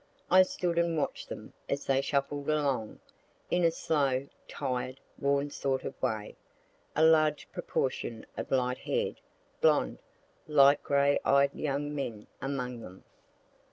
I stood and watch'd them as they shuffled along, in a slow, tired, worn sort of way; a large proportion of light hair'd, blonde, light gray eyed young men among them.